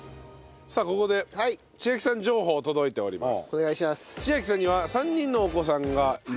さあここで千晶さん情報届いております。